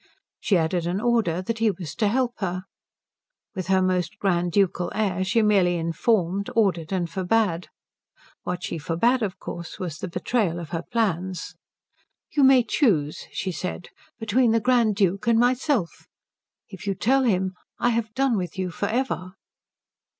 She added an order that he was to help her. With her most grand ducal air she merely informed, ordered, and forbade. What she forbade, of course, was the betrayal of her plans. "You may choose," she said, "between the Grand Duke and myself. If you tell him, I have done with you for ever."